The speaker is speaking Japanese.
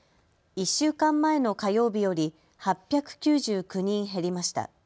１週間前の火曜日より８９９人減りました。